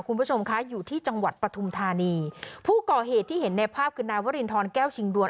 คุณผู้ชมคะอยู่ที่จังหวัดปฐุมธานีผู้ก่อเหตุที่เห็นในภาพคือนายวรินทรแก้วชิงดวน